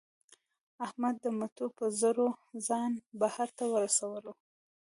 احمد د مټو په زور ځان بهر ته ورسولو.